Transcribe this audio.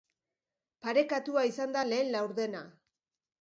Parekatua izan da lehen laurdena.